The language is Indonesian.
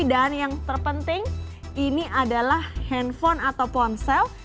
dan yang terpenting ini adalah handphone atau ponsel